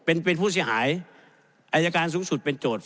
เป็นเป็นผู้เสียหายอายการสูงสุดเป็นโจทย์